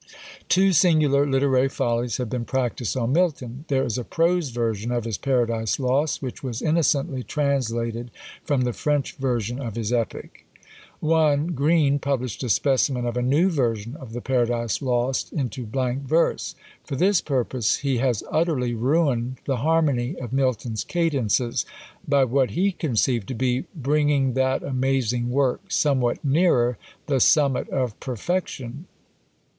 Two singular literary follies have been practised on Milton. There is a prose version of his "Paradise Lost," which was innocently translated from the French version of his epic! One Green published a specimen of a new version of the "Paradise Lost" into blank verse! For this purpose he has utterly ruined the harmony of Milton's cadences, by what he conceived to be "bringing that amazing work somewhat nearer the summit of perfection."